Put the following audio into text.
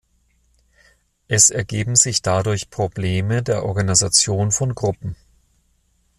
Es ergeben sich dadurch Probleme der Organisation von Gruppen.